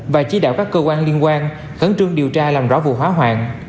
và chỉ đạo các cơ quan liên quan khẩn trương điều tra làm rõ vụ hỏa hoạn